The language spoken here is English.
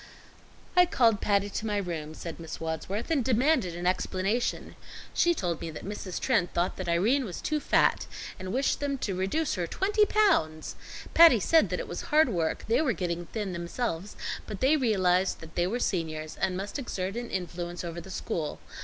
"I called Patty to my room," said Miss Wadsworth, "and demanded an explanation. She told me that Mrs. Trent thought that Irene was too fat, and wished them to reduce her twenty pounds! Patty said that it was hard work, they were getting thin themselves, but they realized that they were seniors and must exert an influence over the school.